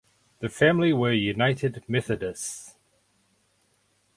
The family were United Methodists.